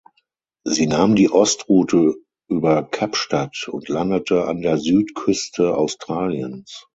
Sie nahm die Ostroute über Kapstadt und landete an der Südküste Australiens.